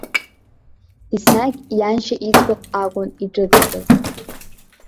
Еснагь ианшьа иӡбахә акәын иҿыҵакыз.